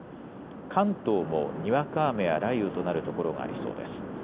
関東もにわか雨や雷雨となる所がありそうです。